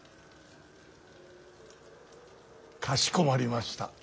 かしこまりました。